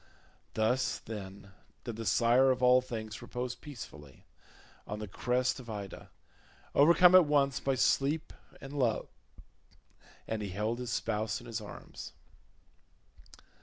Thus, then, did the sire of all things repose peacefully on the crest of Ida, overcome at once by sleep and love, and he held his spouse in his arms.